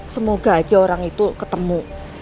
semoga aja orang itu ketemu